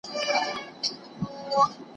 ړوند ډاکټر په ګڼ ځای کي اوږده کیسه نه ده کړې.